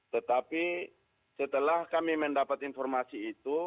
tetapi setelah kami mendapat informasi itu